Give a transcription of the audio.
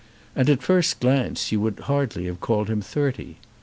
At a first glance you would hardly have called him thirty.